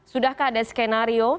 sudahkah ada skenario